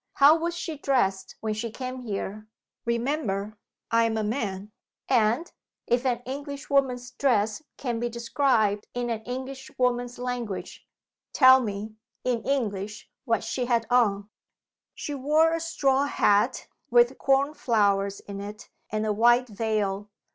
How was she dressed when she came here? Remember, I am a man and (if an Englishwoman's dress can be described in an Englishwoman's language) tell me, in English, what she had on." "She wore a straw hat, with corn flowers in it, and a white veil.